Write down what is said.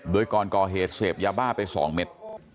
ด้วยกรกอเหตุเสพยาบ้าไปสองเม็ด